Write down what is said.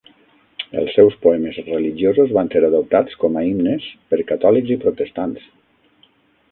Els seus poemes religiosos van ser adoptats com a himnes per catòlics i protestants.